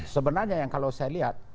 sebenarnya yang kalau saya lihat